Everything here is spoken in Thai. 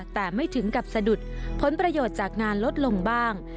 แต่ไม่ถึงกับสะดุดผลประโยชน์จากงานลดลงบ้าง